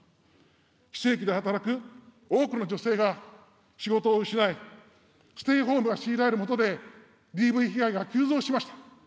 非正規で働く多くの女性が仕事を失い、ステイホームが強いられるもとで、ＤＶ被害が増加しました。